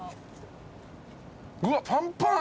うわパンパン。